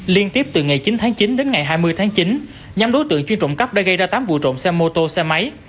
liên tiếp từ ngày chín tháng chín đến ngày hai mươi tháng chín nhóm đối tượng chuyên trộm cấp đã gây ra tám vụ trộm xe mô tô xe máy